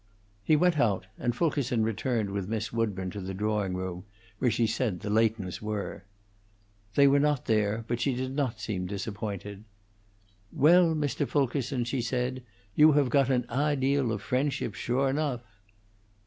He went out, and Fulkerson returned with Miss Woodburn to the drawing room, where she said the Leightons were. They, were not there, but she did not seem disappointed. "Well, Mr. Fulkerson," she said, "you have got an ahdeal of friendship, sure enough."